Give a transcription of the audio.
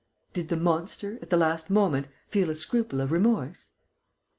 Did the monster, at the last moment, feel a scruple of remorse?